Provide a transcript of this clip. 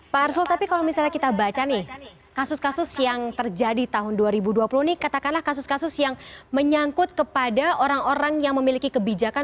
pak arsul tapi kalau misalnya kita baca nih kasus kasus yang terjadi tahun dua ribu dua puluh ini katakanlah kasus kasus yang menyangkut kepada orang orang yang memiliki kebijakan